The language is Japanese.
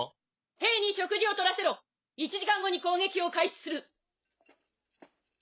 兵に食事を取らせろ１時間後に攻撃を開始する。